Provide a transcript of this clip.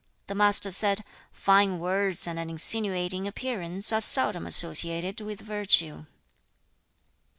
The Master said, 'Fine words and an insinuating appearance are seldom associated with virtue.'